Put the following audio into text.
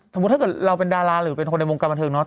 ถ้าเกิดเราเป็นดาราหรือเป็นคนในวงการบันเทิงเนอ